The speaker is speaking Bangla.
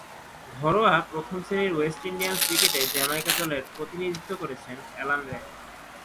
ঘরোয়া প্রথম-শ্রেণীর ওয়েস্ট ইন্ডিয়ান ক্রিকেটে জ্যামাইকা দলের প্রতিনিধিত্ব করেছেন অ্যালান রে।